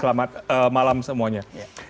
selamat malam semuanya